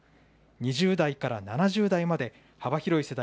２０代から７０代まで、幅広い世代